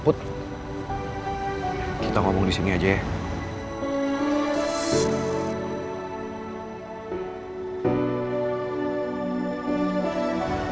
put kita ngomong di sini aja ya